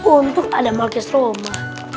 untuk adamah kesroma